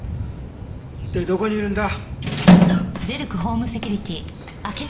一体どこにいるんだ？